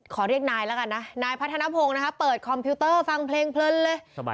ขอเรียกนายแล้วกันนะนายพัฒนภงนะคะเปิดคอมพิวเตอร์ฟังเพลงเพลินเลย